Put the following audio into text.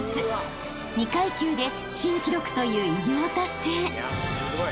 ［２階級で新記録という偉業を達成］